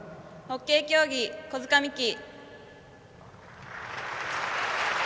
ホッケー競技狐塚美樹。